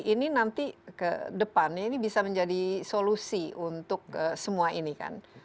ini nanti ke depan ini bisa menjadi solusi untuk semua ini kan